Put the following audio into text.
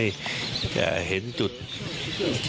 อีกสักครู่เดี๋ยวจะ